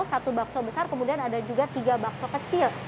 satu bakso besar kemudian ada juga tiga bakso kecil